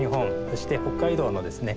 そして北海道のですね